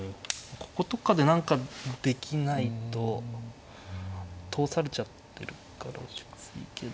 こことかで何かできないと通されちゃってるからきついけど。